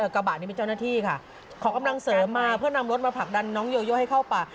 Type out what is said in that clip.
กระบะนี้เป็นเจ้าหน้าที่ค่ะขอกำลังเสริมมาเพื่อนำรถมาผลักดันน้องโยโยให้เข้าป่า